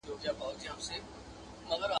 • بار به دي په شا کم، توان به دي تر ملا کم.